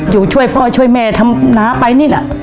อยู่ช่วยพ่อช่วยแม่ทำน้าไปนี่แหละ